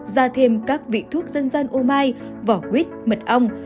ra thêm các vị thuốc dân gian o mai vỏ quýt mật ong